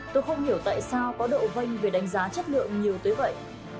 tôi không hiểu tại sao có độ vanh về đánh giá chất lượng nhiều tới vậy